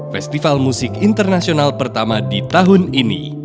festival musik internasional pertama di tahun ini